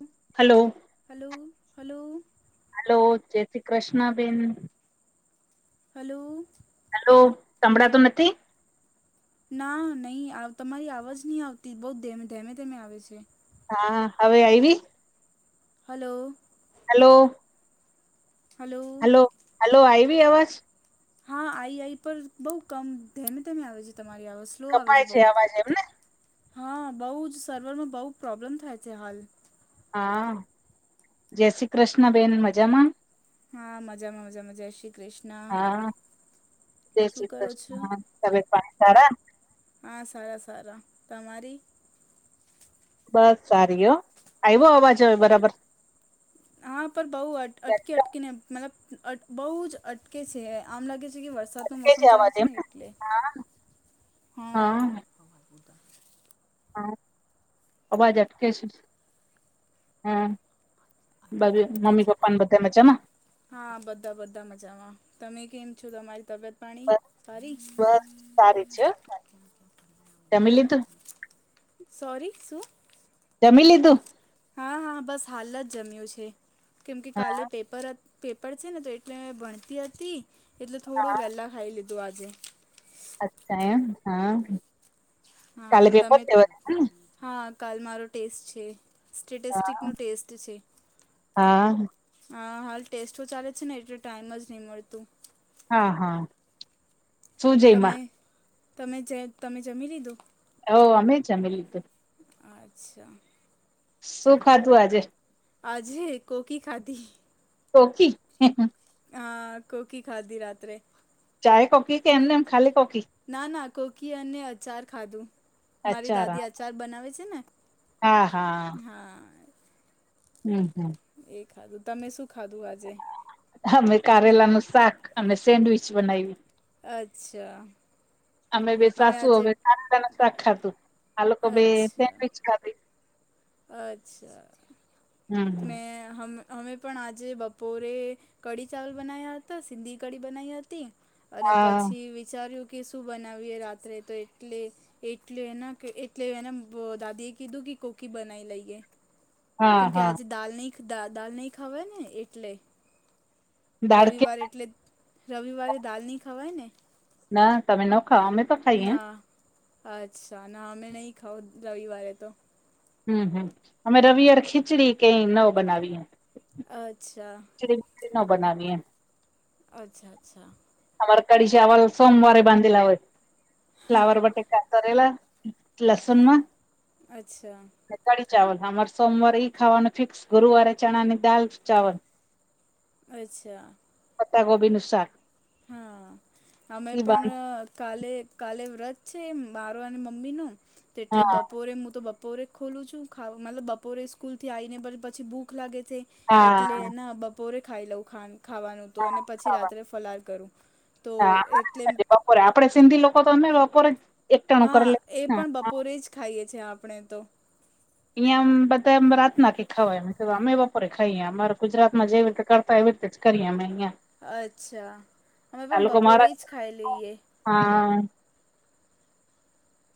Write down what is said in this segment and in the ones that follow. હમ્મ hello. Hello hello. ! Hello જય શ્રી કૃષ્ણાબેન. Hello! Hello સંભળા તો નથી.? ના નહી તમારી આવવાજ નહી આવતી બહ ધમે ધમે આવે છે. હા હવે આવી? હલો? હલો હલો હલો આવી અવાજ.? હા આઈઆઈ પર બહુ કમ, ધમે ધમે આવે છે તમારી આવાઝ સ્લો આવે છે કપાય બહુ, અવાજ એમ ને હા બહુ જ સર્વરમાં બહુ પ્રોબ્લેમ થાય છે. હાલ હા જય શ્રી કૃષ્ણ બેન મજામાં.? હા મજામાં મજા મજા શ્રી કૃષ્ણ. હા શું કરો તબિયત છો પાણી સારા.? હા સારા સારા તમારી.? બસ સારી હો, આવ્યો અવાજો હવે બરાબર.? હા પણ બઉ અટકી અટકીને મતલબ બહુ જ અટકે છે આમ લાગે છે કે વરસાદ. તો અટકે મોસમ ચાલે અવાજ છે એમ ને એટલે હા હા. હા અવાજ અટકે છે? હમ. મમ્મી પપ્પા બધા મજામાં? હા બધા બધા મજામાં તમે કેમ છો તમારી તબિયત પાણી બસ સારી? બસ સારી છે, જમિ લીધું? સોરી શું? જમીલીધું? હા હા બસ હાલ જ જમ્યું છે કેમ કે હા કાલે પેપર હ પેપર છે ને તો એટલે ભણતી હતી એટલે થોડું વહેલાં ખાઈ લીધું આજે. અચ્છ એમ હા હા કાલે પેપર તમે છે વચે હા કાલ મારો ટેસ્ટ છે. સ્ટેટસ્ટિકનો હા ટેસ્ટ છે. હા હા હાલ ટેસ્ટો ચાલે છે ને એટલે ટાઈમ જ નહી મળતું. હા હા શું જઈમાં તમે તમે તમે જમી લીધો? ઓ અમે છે અમે લીધું. અચ્છા! શું ખાધું આજે? આજે કોકી ખાધી કોકી? હા કોકી ખાધી રાત્રે. ચાય કોફી કે એમ ને એમ ખાલી કોફી.? ના ના કોકી અને અચાર ખાધું. મારી અચ્છા રા દાદી અચાર બનાવે છે ને, હા હા હા! હમ હમ એ ખાધું તમે શું ખાધું આજે? અમે કારેલાનું શાક અને સેન્ડવીચ બનાવ્યું. અચ્છા! અમે બે સાસુ, વહુ એ [inaudible] શાક ખાધું આ લોકો બેયે અચ્છા સેન્ડવીચ ખાધી. અચ્છા હમ મેં હ અમે પણ આજે બપોરે કઢી ચાવલ બનાવ્યા હતા, સિંધી કઢી બનાવી હતી. અને હા પછી વિચાર્યું કે શું બનાવીએ રાત્રે તો એટલે! એટલે એના, એટલે એને દાદી એ કીધું કે કોકી બનાવી લઈએ. હા કેમ કે હા આજે દાલ નહી દાલ નહી ખાવાય ને એટલે. દાળ કે રવિવારે એટલે રવિવારે દાલ નહી ખવાય ને? ના તમે ન ખાઓ? અમે તો ખાઈએ ના અચ્છા ના હમે નહીં ખાઓ રવિવારે તો. હમ હમ અમે રવિવારે ખીચડી કઈ ન બનાવીએ. અચ્છા! [inaudible] નો બનાવી એમ અચ્છા અચ્છા! અમાર કઢી ચાવલ સોમવારે બાંધેલા હોય, ફ્લાવર બટે કરેલા લસુન માં અચ્છા! કળી ચાવલ આમારે સોમવાર ઈ ખાવાનું ફિક્સ ગુરુવારે ચણા ની દાલ ચાવલ [inaudible] અચ્છા! પતા કોબીનું સાક. હા અમે બાંધ પણ કાલે કાલે વ્રત છે મારો અને મમ્મી નો તો એટલે હા બપોરે હું તો બપોરે બપોરે ખોલું છું, ખાવ મતલબ બપોરે સ્કૂલ થી આવીઈને પછી ભૂખ લાગે છેવ હા એટલે ના બપોરે ખાઈ લઉ ખાવાનું તો હા અને પછી ખાવા રાત્રે ફલાર. કરું તો હા એટલે બપોરે આપડે સિંધી લોકો તો અને બપોરે જ એકટાણું હા કરી લે એ હા પણ બપોરે જ ખાઈએ છ છે આપણે તો. અહીંયામ બધામ રાત નાખી ખવા અમે બપોરે ખાઈએ અમા ગુજરાતમાં જેવી રીતે કરતા હો એવી રીતે જ કરીએ મેયા અચ્છા, અમે પણ બપોરે જ મહારાષ્ટ્ર ખાઈ લઈએ. હા,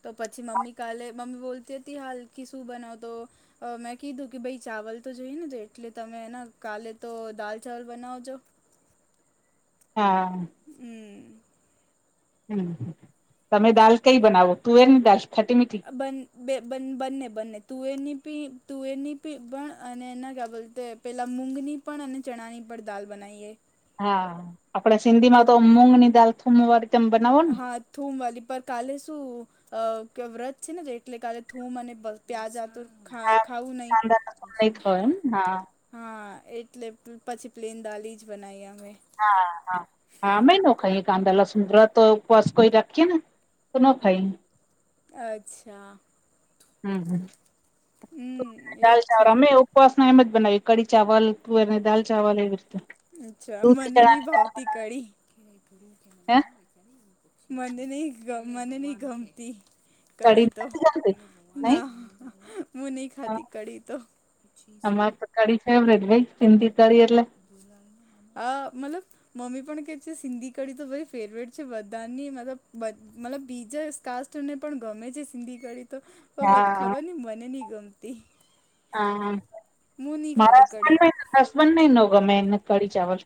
તો પછી મમ્મી કાલે મમ્મી બોલતી હતી હાલકી શું બનાવતો? મેં કીધું કે ભાઈ ચાવલ તો જોઈને તો, એટલે તમેના કાલે તો દાલ ચાવલ બનાવજો. હા! હમ હમ તમે દાલ કઈ બનાવો તુવેર ને દાલ ખટી મીઠી? બ બે બંને બંને તુવેરની પી તુવેરની પી પણ અને એના ક્યાં બોલતે પહેલાં મૂઘની પણ અને ચણાની પણ દાળ બનાવીએ. હા આપડે સિંધી માં તો મૂગ ની દાલ થૂમવાર હા થૂમ વાળલી પર કાલે શું? અ વ્રત છે ને એટલે કાલે થૂમ અને પ્યાજ આતુર ખા હા ખાઉું નહીં. કાંદા લસણ નહી ખાવ એમ હા હા એટલે પછી પ્લેન દાલી જ બનાવી અમે. હા હા હા મે ન કાંદાલા સુંદર તો ઉપવાસ કોઈ રાખીએ ને, તો ના ખાઈ. અચ્છા હમ હમ હમ દાલ એજ છે ચાવળ અમે ઉપસ ન એમ જ બનાવી કડી ચાવલ ત અને દાાલ ચાવલ એવીતે. અચ્છા મને નહીં ભાવતી કઢી. હે મને નહી મને નહીં ગમતી કઢી તો. નથી ગમતી નહી ના, હ હું નહી હ ખાતી કઢી તો. કી ફેવરેટ ભાઈ સિંધિ કઢી એટલે આ મતલબ મમ્મી પણ કે છે સિંધી કડી તો બધાની ફેવરેટ છે બધાની મતલબ મતલબ બીજા કાસ્ટ ને પણ ગમે છે સિંધી કઢી તો વાત હા. ખવાર મને નહ ગમતી. હા હું નહીં ખાતી મારા કડી હબસબ ન ન ગમે કઢી ચાવલ.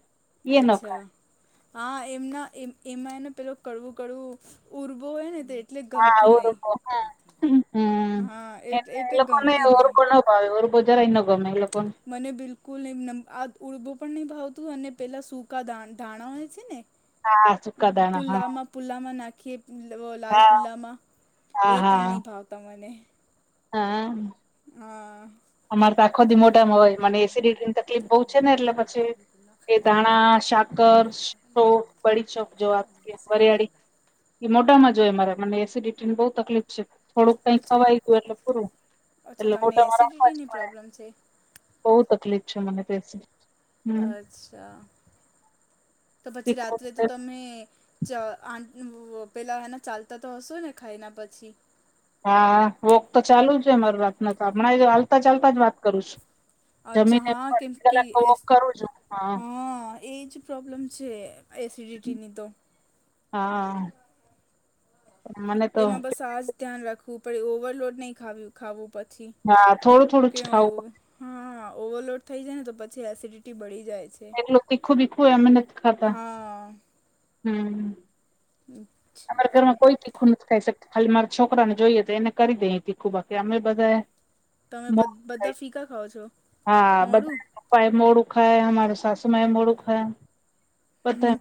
એ ન અચ્છા. ખાય હા, એમના એ એમાં એને પેલો કડવું કડવું ઉરવો હોય ને તે. હાર હમ હા એ એ એટલે લોકો ને ગમતી ઓર નહીં કો. હા ઓર કહો જરાઇ ન ગમે એ લોકો ને. મને બિલકુલ નહીં. આ ઉડબો પણ નહી ભાવતું અને પેલા સૂકા ધાણા હોય છે ને? હા સુકા દાણા હા પુલાવમાં પુલ્લામાં નાખીએ. લાલ હા પુલ્લામાં હા એ પણ હા નહીં ભાવતા. મને... હા અ. હા અ. અમારે તો આખો દી મોઢામાં હોય. મને એસિડિટીની તકલીફ બહુ છે, ને એટલે પછી એ ધાણા શાક. કર છો બ [inaudible] ડી ચો જો વાત વરિયાળી એ મોઢામાં જ હોય, મારે મને એસિડિટીને બહુ તકલીફ છે. થોડુંક કંઈક અચ્છા ખવાઈ ગયું. એટલે પૂરું અચ્છા એટલે તમને મોઢામાં મા રાખું. એસિડિટીની પ્રોબ્લેમ છે બહુ તકલીફ છે. મને તે એસીડીટી. અચ્છા! તો પછી તીખું રાત્રે તો છે. તમે, ત આ પેલા એના ચાલતા તો હશો, ને ખાઈને પછી? હા, વોક તો ચાલુ જ હોય મારું રાતના તો, હમણાં ય હાલતા- ચાલતા જ વાત કરું છું. અચ્છા! જમીને હા કેમ, અડધી કે કલાક તો એ વોક કરું છું હા. એ જ પ્રોબ્લમ છે. એસિડિટીની તો. હા અ. એમાં બસ આજ ધ્યાન રાખવું પડે. ઓવરલોડ નહીં ખાવું. ખાવું પછી હા થોડું થોડું જ ખાવું કેવું? હા, ઓવરલોડ થઈ જાય ને તો પછી એસિડિટી બડી જાય છે. એટલું તીખું- બીખું ય અમે નથ ખાતા. હા હં. હમ. અમારા ઘરમાં કોઈ તીખું નથી ખાઈ શકતું. ખાલી મારા છોકરાને જોઈએ. તો એને કરી દયે તીખું બાકી, અમે બધા. તમે મોડું ખાઈ બધા ફીકા ખાવ ઓ છો? મોડું. ભાઈ મોરુ ખાય. અમારા સાસુ માય મોરુ ખાય. બધા હં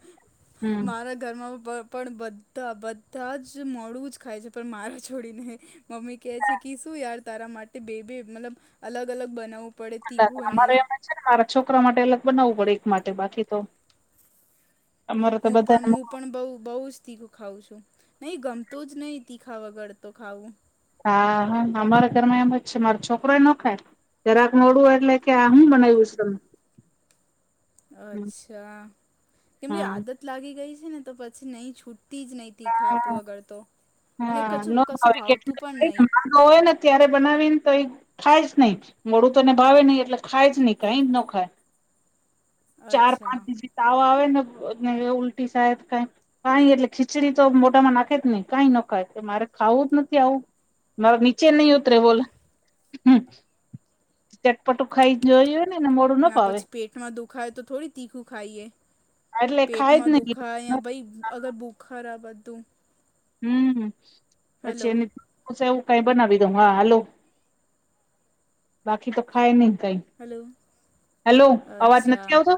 હમ. મારા ઘરમાં પણ, પણ બધા બધા જ મોરુ જ ખાય છે. પણ, મારે છોડીને. મમ્મી કે છે કે શું યાર, તારા માટે બે- બે મતલબ અલગ- અલગ બનાવું. હા તો, અમારે એમ જ છે, ને મારા છોકરા માટે અલગ બનાવવું પડે એક માટે, બાકી તો, અમારે તો હું પણ બધા મુું..... પણ બઉ બહુ જ તીખું ખાઉં છું, નહીં ગમતું જ નહી તીખા વગર તો ખાવું. હા હા અમારા ઘરમાં એમ જ છે. મારો છોકરો ય ન ખાય. જરાક મોરુ એટલે, કે આ હું બનાવ્યું છે તમે અચ્છા! કેમ કે હા. આદત. લાગી ગઈ છે ને તો પછી નહીં. છૂટતી જ નહી. તીખા હા વગર તો, અને કશું ભાવતું પણ નહીં. તો, હોય ને ત્યારે બનાવી એને તો એ. ખાય જ નહીં. મોડું તો એને ભાવે નહિ, એટલે ખાય જ નહીં. કાંઈ જ ન ખાય. ચાર અચ્છા પાંચ દિવસ થી તાવ આવે ને ઉલટી થાય. ક કંઈ એટલે... કચડી તો મોટામાં નાખે જ નહી કઈ નખાય મારે ખાવું જ નથી આવું મારે નીચે નહીત બોલે, ચટપટું ખાઈ જોયું હ ના પછી પેટમાં દુખાય તો થોડી તીખું ખાઈએ. એટલે ખાય પેટમાં જ નહી દુઃખે ભઈ હમ અગર બુખાર આ બધું. હમ, પછી હલો એની. પછી એવું કંઈ બનાવી દઉં. હા હાલો બાકી તો ખાય નહી કંઈ? હલો હેલો, અવાજ અચ્છા નથી આવતો?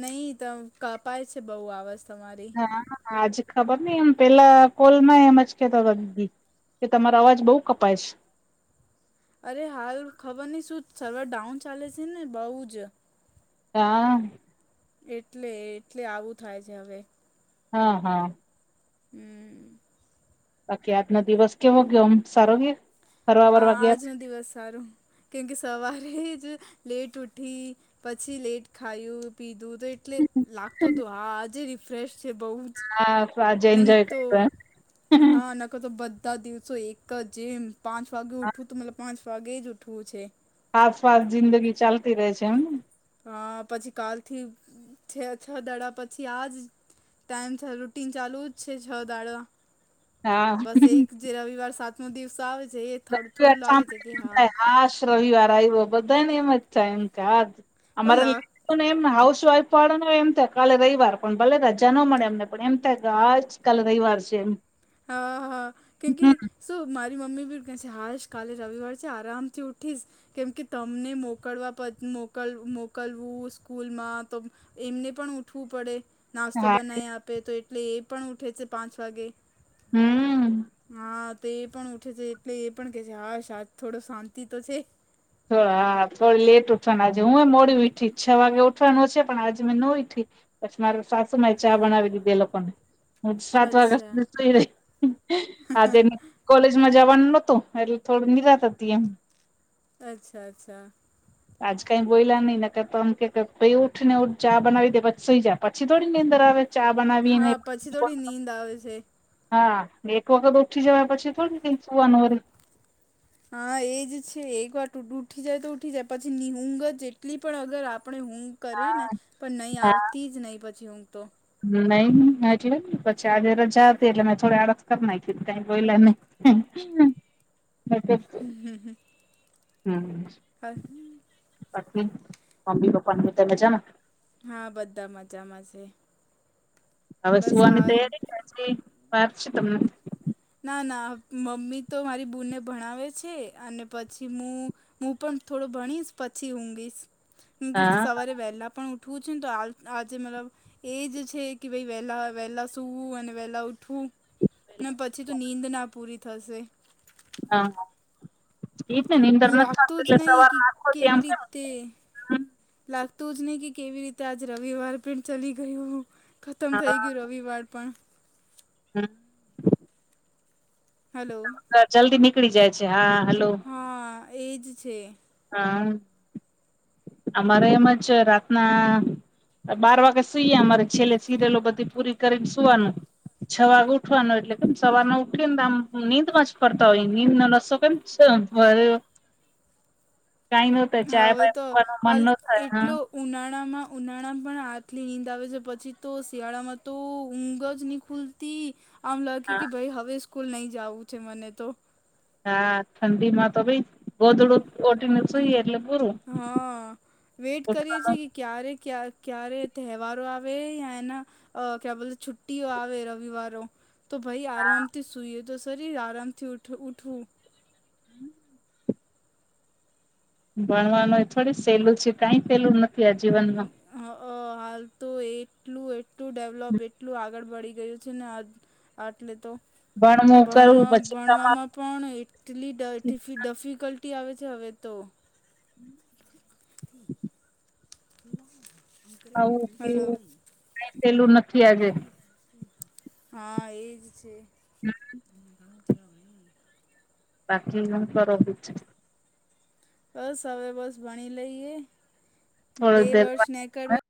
નહીં ત કપાય છે. બહુ આવાજ તમારી. હા આજ ખબર નઈ એમ પેલા કોલ ના એમજ કેતો તો કી કે તમારો અવાજ બઉુ કપાય છે. અરે હાલ ખબર નઈ શું સર્વર ડાઉન ચાલે છે ને બઉુ જ હા. એટલે એટલે આવું થાય છે હવે હા હા હમ. બાકી આજનો દિવસ કેવો ગયોમ સારો ગયો ફરવા હા બરવા આજ ગયા નો દિવસ સારું. કેમકે સવારે જ લેટ ઉઠી પછી લેટ ખાયું પીધું. તો એટલે લાગતો તો હા આાજે રિફ્રેશ છે બહુ જ હા આજે એમ એન્જોય તો કરતો હા નકર તો બધા દિવસો એક જેમ પાંચ વાગે ઉઠવું તો મતલબ પાંચ વાગ્યે જ ઉઠવું છે. આસપાસ જિંદગી ચાલતી રહે છે એમ અ પછી કાલથી છે છ દડા પછી આ જ ટાઈમ છ રૂટીન ચાલુ જ છે છ દાડા હા બસ એક જે રવિવાર સાતમો દિવસ આવે છે એ થોડું બધુ એમ થોડું કામ લાગે છે કે હા [unintelligible] હાશ રવિવાર આવ્યો બધાને એમ છે એમ ક પણ અમારે લાગ પણ એમ હાઉસ વાઈફ વાળો ને એમ થાય કાલે રવિવાર પણ ભલે રજા ન મળે એમને પણ એમ થાય કે હાજ કાલે રવિવાર છે એમ હા હા કેમકી હમ્મ. શું મારી મમ્મી બી ક છે હાશ કાલે રવિવાર છે આરામથી ઉઠીશ કેમકે તમને મોકલવા પ મોક મોકલવું સ્કૂલમાં તો એમને પણ ઉઠવું પડે નાસ્તો હા બનાવી આપે તો એટલે એ પણ ઉઠે છે પાંચ વાગે હમ્મ હા. તો એ પણ ઉઠે છે એટલે એ પણ કે છે હાશ આદ થોડો શાંતિ તો છે. હા થોડી લેટ ઉઠવાના છે હું એ મોડી વીઠી છ વાગે ઉઠવાનું છે પણ આજે મેં નો ઉઈઠી પછી મારે સાસુમાં એ ચા બનાવી દીધ એ લોકોને હ સાત વાગ સદ અચ્છા [unintelligible] તે કોલેજમાં જવાનું નહતું એટલે થોડું નિરાત હતી એમ અચ્છા અચ્છા. આજ કઈ બોયલા નહી ને કે તોમ આમ કે ક ઉઠ ને ઉઠ ચા બનાવી દે પછી સુઈ જાય પછી થોડી નીદર આવે. ચા બનાવીને હા પછી થોડી નીંદ આવે છે. હા ને એક વખત ઓઠી જવા પછી થોડી ક સુવાનું હોય. હા એ જ છે એકવાર ટૂડું ઉઠી જાય તો ઉઠી જાય પછી નિહુંગ જેટલી પણ અગર આપણે હું કરી ને હા પણ નહી હા આવતી જ નહી પછી હ ઊઘ તો નહી એટલે પછી આજે રજા હતી એટલે મેં થોડી આડસ કરી નાખી કાઈ બોલયા નહી હ. [unintelligible] હ હ હ હ [unintelligible] પછી મમ્મી પપ્પા ની બધા મજા મા હા બધા મજામાં છે. હવે બસ સુવાની હાલ તૈયારી વાછી વાર છે તમને ના ના મમ્મી તો મારી બૂને ભણાવે છે અને પછી હું હું પણ થોડો ભણીશ પછી ઊઘીશ ઊઘીશ હા સવારે વહેલા પણ ઉઠ ઉઠું છે તો આ આજે મતલબ એજ છે કે ભાઈ વેલા વહેલા સવું અને વહેલા ઉઠવું. ને પછી તો નીંદ ના પૂરી થશે. હ ઈજ ને નિંદર નથી પાકતી એટલે સવારમા આંખો દિ આમ તે લાગતું જ નહી કે કેવી રીતે આજે રવિવાર પણ ચલી ગયું ખતમ થઈ ગયું રવિવાર પણ હમ્મ હલો જલ્દી નીકળી જાય છે હા હલો હા એ જ છે હા અમારે એમ જ રાતના બાર વાગે સુઈએ અમારે છેલ્લે સિરિલો બધી પૂરી કરીને સુવાનું છ વાગ ઉઠવાનો એટલે કે સવાર ના ઉઠી ને આમ નીંદ માં જ ફરતા હોય નીંદ નો રસો કેમ શ ભયો કઈ નહત ચાય હવે તો પાાય હાલ એટલુ ઉનાળામાં ઉનાળા પણ હાટલી નીંદ આવે છે પછી તો શિયાળામાં તો ઊંઘ જ ની ખૂલ તી આમ લાગે હા કે ભાઈ હવે સ્કૂલ નહી જવું છે મને તો હા ઠંડીમાં તો ભી ગોધડું ઓઠી ને સુઈએ એટલે પૂરું હા વેઇટ કરીએ છીએ કે ક્યારે ક્યા ક્યારે તહેવારો આવે યા એના અ કયા બોલ છુટ્ટીઓ આવે રવિવારો તો ભાઈ આરામથી સૂઈએ તો સહી આરામથી ઉઠવું હમ્મ ભણવાનું એ થોડી સહેલું છે કઈ સહેલું નથી આ જીવનમાં હાલ તો એટલું એટલું ડેવલોપ એટલું આગળ બળી ગયું છે ને આટલે તો ભણવું કરવું ભણવા પછી કમાવું ભણવામાં પણ એટલી ડાયડફી ડફિકલ્ટી આવે છે હવે તો હમ્મ [inaudible] [inaudible] ખાવું હલો પીવું કઈ સેલું નથી આજે હા એજ છે હમ્મ [unintelligible] બાકી હું કરો ભી છે બસ હવે બસ ભણી લઈએ બે થોડી દેર વર્ષ નેકળવા